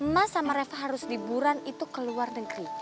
mama sama reva harus liburan itu ke luar negeri